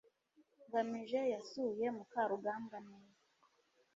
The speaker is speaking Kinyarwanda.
ngamije yasuye mukarugambwa neza